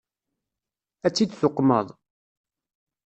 Ad tt-id-tuqmeḍ?